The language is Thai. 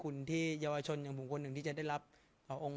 คุณที่เยาวชนอย่างบุคคลหนึ่งที่จะได้รับพระองค์